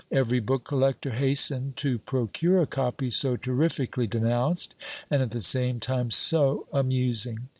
Every book collector hastened to procure a copy so terrifically denounced, and at the same time so amusing.